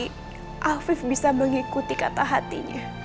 aku berharap afif bisa mengikuti kata hati